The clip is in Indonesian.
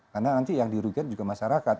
karena nanti yang dirugikan juga masyarakat